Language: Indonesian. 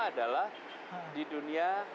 adalah di dunia